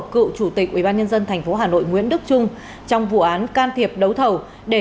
công an nhân dân việt nam